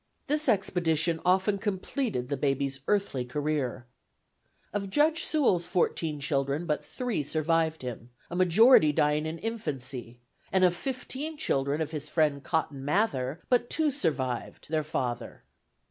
This expedition often completed the baby's earthly career. "Of Judge Sewall's fourteen children but three survived him, a majority dying in infancy; and of fifteen children of his friend Cotton Mather, but two survived their father."